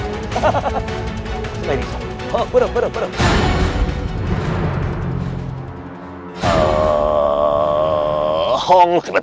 sekarang ini berhenti berhenti